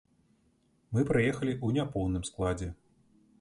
Мы прыехалі ў няпоўным складзе.